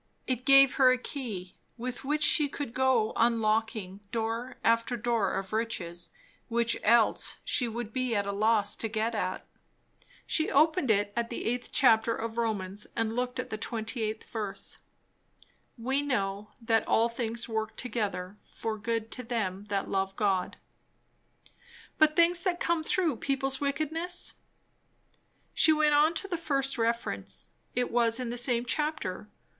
It gave her a key, with which she could go unlocking door after door of riches, which else she would be at a loss to get at. She opened it at the eighth chapter of Romans and looked at the 28th verse. "We know, that all things work together for good to them that love God " But things that come through people's wickedness? She went on to the first reference. It was in the same chapter.